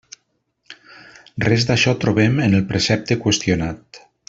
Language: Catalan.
Res d'això trobem en el precepte qüestionat.